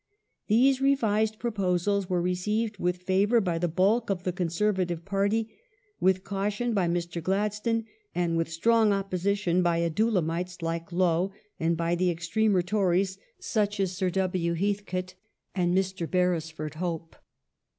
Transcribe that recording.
These revised proposals were received with favour by the bulk of the Conservative party, with caution by Mr. Gladstone, and with strong opposition by Adullamites like Lowe and by the extremer Tories such as Sir W. Heathcote and Mr. Bei esford Hope.